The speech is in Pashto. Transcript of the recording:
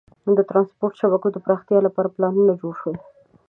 د ترانسپورت شبکو د پراختیا لپاره پلانونه جوړ شول.